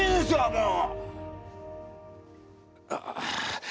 もう！